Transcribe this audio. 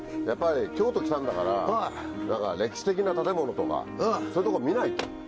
やっぱり京都来たんだから歴史的な建物とかそういう所見ないと。